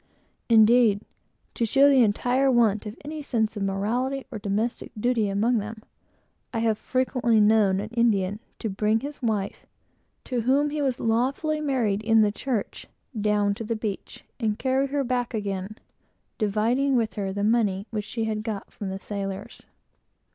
Indeed, to show the entire want of any sense of morality or domestic duty among them, I have frequently known an Indian to bring his wife, to whom he was lawfully married in the church, down to the beach, and carry her back again, dividing with her the money which she had got from the sailors.